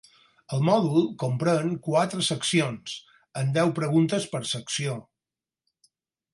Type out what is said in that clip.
El mòdul comprèn quatre seccions, amb deu preguntes per secció.